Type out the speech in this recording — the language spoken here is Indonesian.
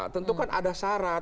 tentu kan ada syarat